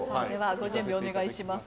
ご準備お願いします。